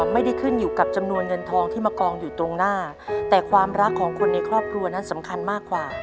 ไม่ได้ขึ้นอยู่กับจำนวนเงินทองที่มากองอยู่ตรงหน้าแต่ความรักของคนในครอบครัวนั้นสำคัญมากกว่า